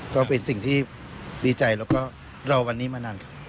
ก็เป็นสิ่งที่ดีใจแล้วก็รอวันนี้มานานครับ